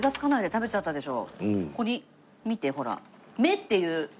食べちゃったでしょ。